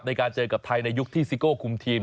ในการเจอกับไทยในยุคที่ซิโก้คุมทีม